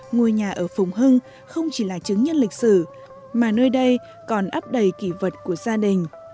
ngôi nhà ở phùng hưng không chỉ là chứng nhân lịch sử mà nơi đây còn ấp đầy kỷ vật của gia đình